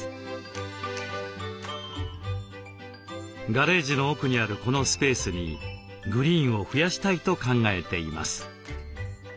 ガレージの奥にあるこのスペースにグリーンを増やしたいと考えています。